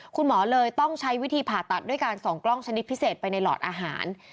คุณหมอเลยต้องใช้วิธีผ่าตัดด้วยการส่องกล้องชนิดพิเศษไปในหลอดอาหาร